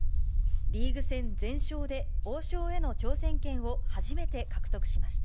リーグ戦全勝で王将への挑戦権を初めて獲得しました。